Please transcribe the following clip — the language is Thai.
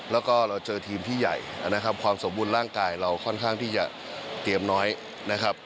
แล้วก็เราเจอทีมที่ใหญ่นะครับความสมบูรณ์ร่างกายเราค่อนข้างที่จะเตรียมน้อยนะครับ